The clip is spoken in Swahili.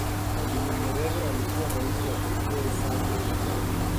mwalimu nyerere alikuwa rais wa pekee sana ulimwenguni